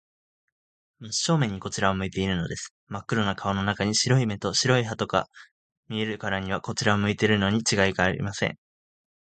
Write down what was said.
真正面にこちらを向いているのです。まっ黒な顔の中に、白い目と白い歯とが見えるからには、こちらを向いているのにちがいありません。